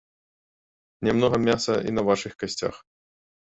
Не многа мяса і на вашых касцях.